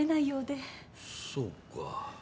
そうか。